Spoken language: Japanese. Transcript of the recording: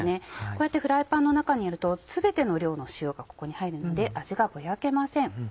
こうやってフライパンの中でやると全ての量の塩がここに入るので味がぼやけません。